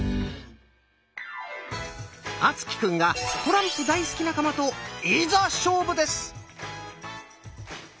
敦貴くんがトランプ大好き仲間といざ勝負です！